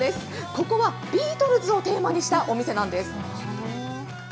ここはビートルズをテーマにしたお店なんです。